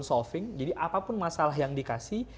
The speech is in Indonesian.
solving jadi apapun masalah yang dikasih